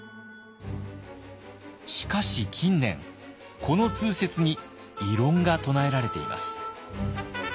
しかし近年この通説に異論が唱えられています。